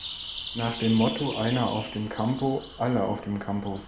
Nach dem Motto „"Einer auf dem Campo, alle auf dem Campo.